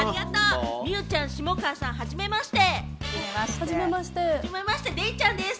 望結ちゃん、下川さん、はじめまして。